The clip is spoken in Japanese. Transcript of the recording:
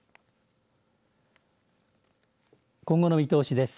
今後の見通しです。